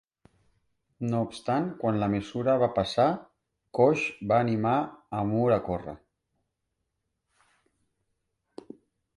No obstant, quan la mesura va passar, Cox va animar a Moore a córrer.